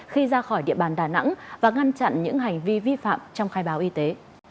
khi ra khỏi địa bàn đà nẵng và ngăn chặn những hành vi vi phạm trong khai báo y tế